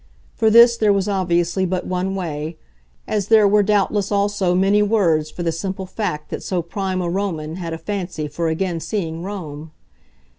For this there was obviously but one way as there were doubtless also many words for the simple fact that so prime a Roman had a fancy for again seeing Rome.